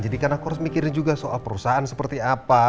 jadi kan aku harus mikirin juga soal perusahaan seperti apa